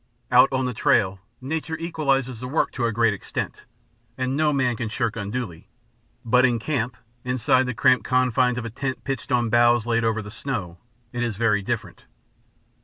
Out on the trail, nature equalizes the work to a great extent, and no man can shirk unduly, but in camp, inside the cramped confines of a tent pitched on boughs laid over the snow, it is very different.